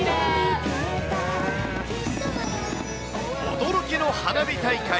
驚きの花火大会。